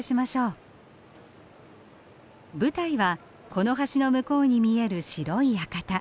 舞台はこの橋の向こうに見える白い館。